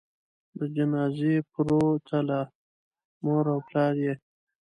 د جنازې پروتله؛ مور او پلار یې